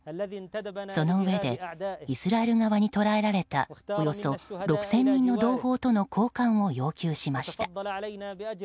そのうえでイスラエル側に捕らえられたおよそ６０００人の同朋との交換を要求しました。